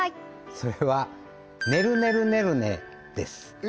それはねるねるねるねですえ